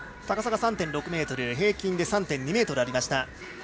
高さが３．６ｍ平均で３．２ｍありました。